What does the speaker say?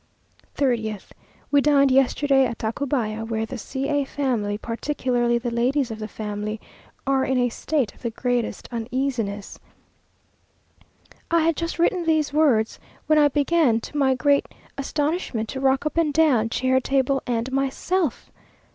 3Oth. We dined yesterday at Tacubaya; where the C a family, particularly the ladies of the family, are in a state of the greatest uneasiness. I had just written these words, when I began, to my great astonishment, to rock up and down, chair, table, and myself.